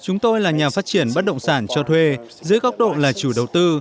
chúng tôi là nhà phát triển bất động sản cho thuê dưới góc độ là chủ đầu tư